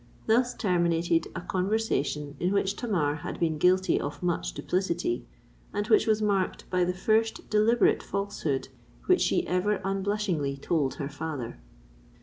Thus terminated a conversation in which Tamar had been guilty of much duplicity, and which was marked by the first deliberate falsehood which she ever unblushingly told her father.